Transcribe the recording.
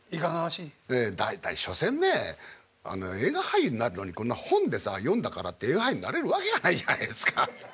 ええ大体所詮ね映画俳優になるのにこんな本でさ読んだからって映画俳優になれるわけがないじゃないですか。